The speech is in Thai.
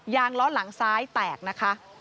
ล้อหลังซ้ายแตกนะคะ